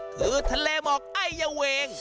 คือทะเลหมอกไอเยาเวง